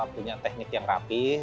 punya teknik yang rapih